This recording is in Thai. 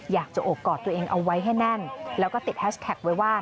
อยากจะโอบกอดตัวเองเอาไว้ให้แน่นแล้วก็ติดแฮชแท็กไว้ว่า